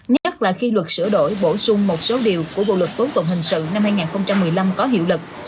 nhất là khi luật sửa đổi bổ sung một số điều của bộ luật tố tụng hình sự năm hai nghìn một mươi năm có hiệu lực